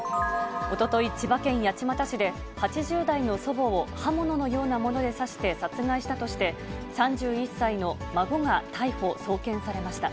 おととい、千葉県八街市で、８０代の祖母を刃物のようなもので刺して殺害したとして、３１歳の孫が逮捕・送検されました。